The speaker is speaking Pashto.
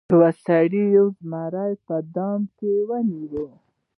یو سړي یو زمری په دام کې ونیو.